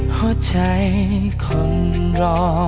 หัวใจคนรอ